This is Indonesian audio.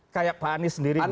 kayak pak anies sendiri juga